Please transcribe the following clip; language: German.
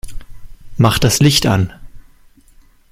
Mach das Licht an!